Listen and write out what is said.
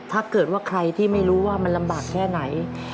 ถ้าเกิดว่าใครที่ไม่รู้ว่ามันลำบากแค่ไหน